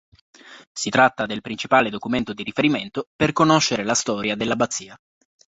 Si tratta del principale documento di riferimento per conoscere la storia dell'abbazia.